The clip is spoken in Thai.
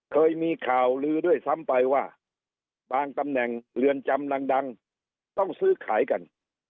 เคยมีข่าวลือด้วยซ้ำไปว่าบางตำแหน่งเรือนจำดังต้องซื้อขายกัน